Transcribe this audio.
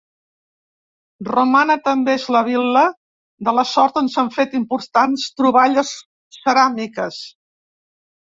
Romana també és la vil·la de la Sort on s'han fet importants troballes ceràmiques.